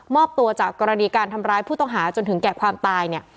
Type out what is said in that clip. อบตัวจากกรณีการทำร้ายผู้ต้องหาจนถึงแก่ความตายเนี่ย